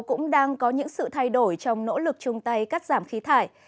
cũng đang có những sự thay đổi trong nỗ lực chung tay cắt giảm khí thải